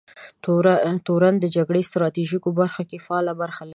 تورن د جګړې ستراتیژیکو برخو کې فعاله برخه لري.